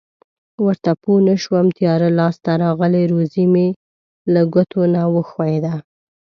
ورته پوه نشوم تیاره لاس ته راغلې روزي مې له ګوتو نه و ښویېده.